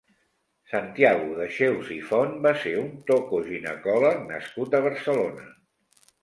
Santiago Dexeus i Font va ser un tocoginecòleg nascut a Barcelona.